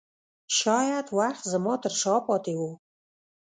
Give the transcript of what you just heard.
ښايي وخت زما ترشا پاته و